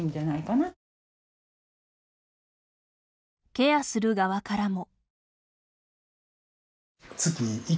ケアする側からも。